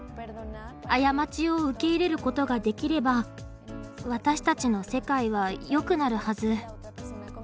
過ちを受け入れることができれば私たちの世界はよくなるはず。